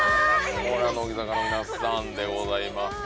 乃木坂の皆さんでございます。